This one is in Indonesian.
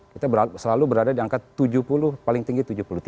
kita selalu berada di angka tujuh puluh paling tinggi tujuh puluh tiga